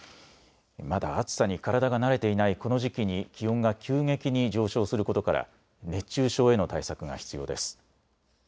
まだ暑さに体が慣れていないこの時期に気温が急激に上昇することから熱中症への対策が必要です。